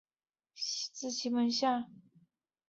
此后的法国汉学家伯希和与马伯乐都出自其门下。